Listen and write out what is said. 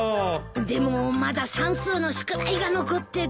でもまだ算数の宿題が残ってて。